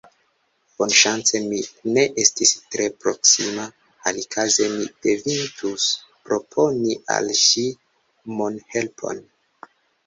Bonŝance mi ne estis tre proksima, alikaze mi devintus proponi al ŝi monhelpon...